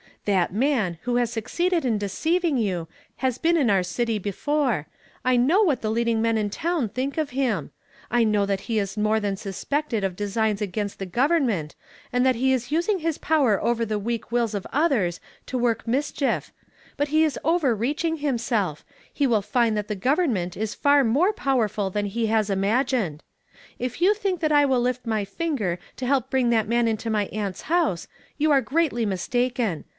Tli.it man, who has succeeded in deceiving you, has been in our city before ; I know what the leading men in town think of him. I know thai he is more than suspected of designs against th(^ govenij i ?^f , and that he is using his power over the V eak vvil>3 of others to work misehi* f ; but he is o' ei 'each; g himself; he will find that the govern, Moni i» far more powerful than he has imagineu. If you think that I will lift my linger to help bring that man into my aunts house, you are greatly mistaken.